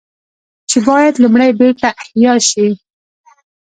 چې بايد لومړی بېرته احياء شي